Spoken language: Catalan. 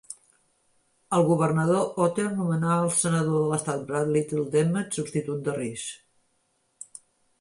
El governador Otter nomenà al senador de l'estat Brad Little d'Emmett substitut de Risch.